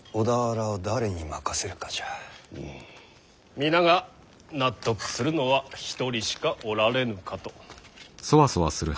皆が納得するのは一人しかおられぬかと。